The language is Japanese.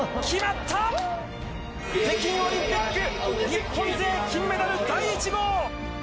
北京オリンピック日本勢、金メダル第１号！